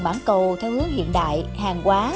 mãn cầu theo hướng hiện đại hàng quá